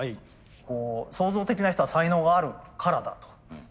創造的な人は才能があるからだと。